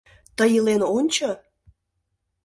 Тый илен ончо.